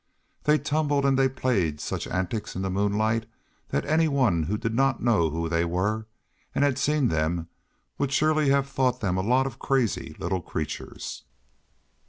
They tumbled and they played such antics in the moonlight that anyone who did not know who they were and had seen them would surely have thought them a lot of crazy little creatures.